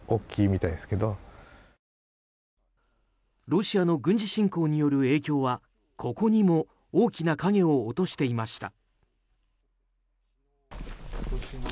ロシアの軍事侵攻による影響はここにも大きな影を落としていました。